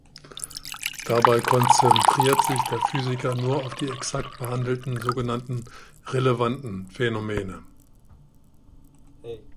Dabei konzentriert sich der Physiker nur auf die exakt behandelten sogenannten „relevanten“ Phänomene.